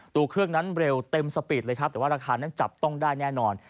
ตัวเครื่องนั้นเร็วเต็มสปีดเลยครับแต่ว่าราคานั้นจับต้องได้แน่นอน